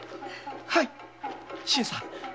はい新さん